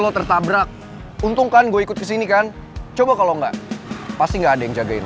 lo tertabrak untung kan gue ikut kesini kan coba kalau nggak pasti nggak ada yang jagain